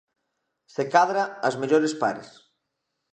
Se cadra as mellores pares.